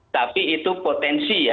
tapi itu potensi ya